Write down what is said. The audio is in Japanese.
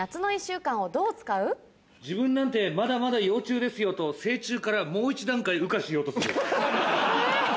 「『自分なんてまだまだ幼虫ですよ』と成虫からもう１だんかい羽化しようとする」。